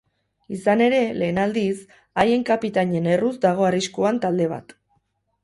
Izan ere, lehen aldiz, haien kapitainen erruz dago arriskuan talde bat.